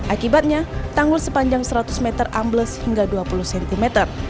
akibatnya tanggul sepanjang seratus meter ambles hingga dua puluh cm